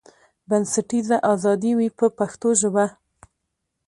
بنسټیزه ازادي وي په پښتو ژبه.